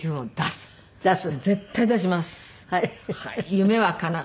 「夢はかなう」。